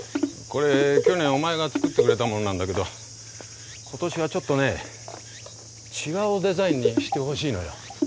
これ去年お前が作ってくれたものなんだけど今年はちょっとね違うデザインにしてほしいのよ。